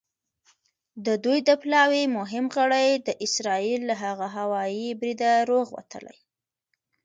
د دوی د پلاوي مهم غړي د اسرائیل له هغه هوايي بریده روغ وتلي.